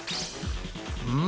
うん！？